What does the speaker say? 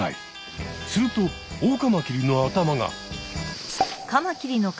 するとオオカマキリの頭が。